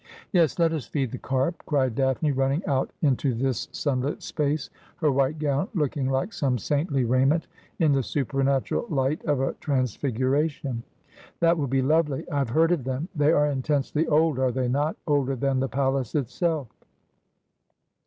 ' Yes : let us feed the carp,' cried Daphne, running out into this sunlit space, her white gown looking like some saintly raiment in the supernatural light of a transfiguration. ' That will be lovely ! I have heard of them. They are intensely old, are they not— older than the palace itself